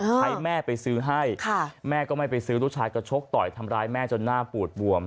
ให้แม่ไปซื้อให้แม่ก็ไม่ไปซื้อลูกชายก็ชกต่อยทำร้ายแม่จนหน้าปูดบวม